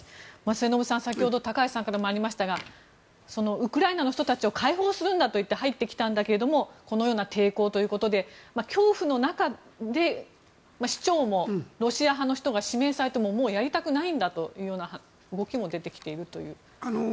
末延さん、先ほど高橋さんからもありましたがウクライナの人たちを解放するんだと言って入ってきたんだけどこのような抵抗ということで恐怖の中で、市長もロシア派の人が指名されてももうやりたくないんだというような動きも出てきているという。